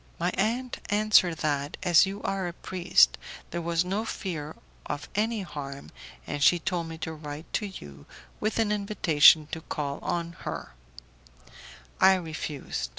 My aunt answered that, as you are a priest, there was no fear of any harm, and she told me to write to you with an invitation to call on her; I refused.